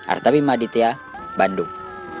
artabim aditya bandung